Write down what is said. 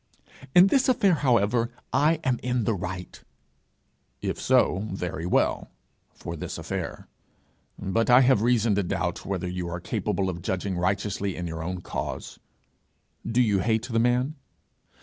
'In this affair, however, I am in the right.' 'If so, very well for this affair. But I have reason to doubt whether you are capable of judging righteously in your own cause: do you hate the man?'